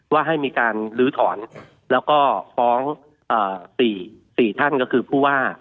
ว่าให้มีการลื้อถอนแล้วก็ฟ้อง๔ท่านก็คือผู้ว่า